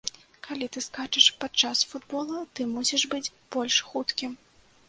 Калі ты скачаш падчас футбола, ты мусіш быць больш хуткім.